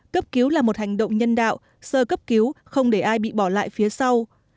cấp cứu là một hành động nhân đạo sơ cấp cứu không để ai bị bỏ lại phía sau